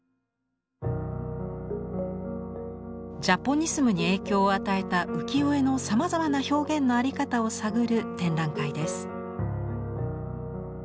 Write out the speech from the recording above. ジャポニスムに影響を与えた浮世絵のさまざまな表現の在り方を探る展覧会です。